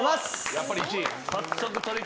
やっぱり１位。